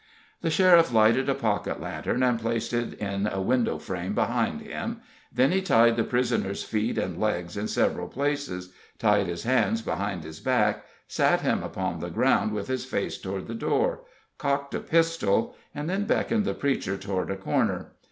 The sheriff lighted a pocket lantern and placed it in a window frame behind him, then he tied the prisoner's feet and legs in several places, tied his hands behind his back, sat him upon the ground with his face toward the door, cocked a pistol, and then beckoned the preacher toward a corner.